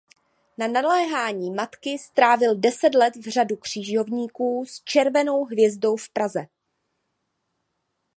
Na naléhání matky strávil deset let v Řádu křižovníků s červenou hvězdou v Praze.